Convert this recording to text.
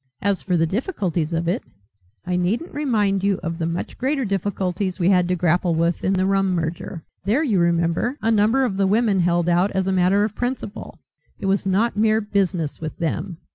As for the difficulties of it, I needn't remind you of the much greater difficulties we had to grapple with in the rum merger. There, you remember, a number of the women held out as a matter of principle. It was not mere business with them.